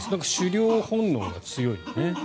狩猟本能が強いのね。